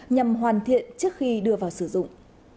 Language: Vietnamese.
nhằm hoàn thiện trước khi đưa vào sử dụng